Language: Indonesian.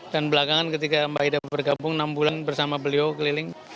dan belakangan ketika mbak ida bergabung enam bulan bersama beliau keliling